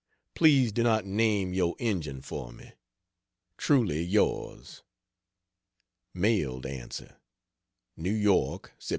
Please do not name your Injun for me. Truly Yours. Mailed Answer: NEW YORK, Sept.